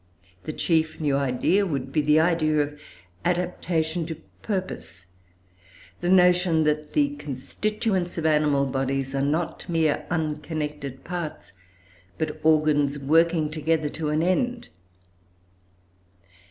the chief new idea would be, the idea of adaptation to purpose, the notion, that the constituents of animal bodies are not mere unconnected parts, but organs working together to an end.